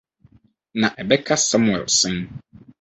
na ɛbɛka Samuel sɛn?